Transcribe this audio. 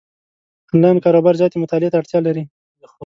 انلاین کاروبار زیاتې مطالعې ته اړتیا لري،